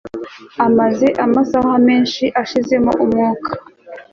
amaze amasaha menshi ashizemo umwuka